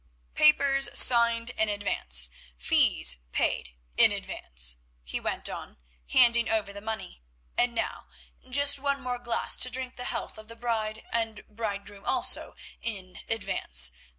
"Papers signed in advance—fees paid in advance!" he went on, handing over the money, "and now, just one more glass to drink the health of the bride and bridegroom, also in advance.